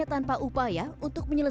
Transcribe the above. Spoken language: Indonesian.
jangan lupa girikan lalu